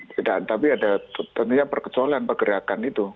tidak tapi ada tentunya perkecualian pergerakan itu